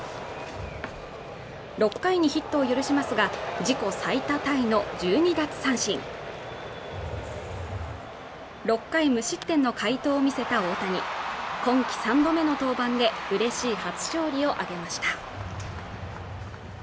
６回にヒットを許しますが自己最多タイの１２奪三振６回無失点の快投を見せた大谷今季３度目の登板でうれしい初勝利を挙げました